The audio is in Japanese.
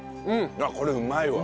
これうまいわ！